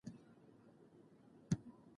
ژوند د انسان د نیت او عمل تر منځ اړیکه ده.